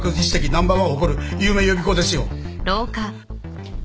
ナンバーワンを誇る有名予備校ですよ。